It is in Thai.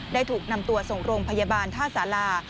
ได้ถูกนำตัวส่งโรงพยาบาลท่าสารา